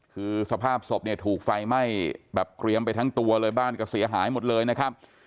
คือสภาพศพเนี่ยถูกไฟไหม้แบบเกรียมไปทั้งตัวเลยบ้านก็เสียหายหมดเลยนะครับ